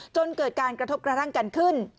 จนเกิดการกระทบกระทั่งกันขึ้น